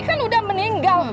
kan udah meninggal